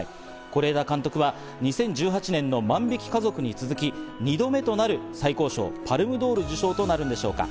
是枝監督は２０１８年の『万引き家族』に続き２度目となる最高賞・パルムドール受賞となるんでしょうか。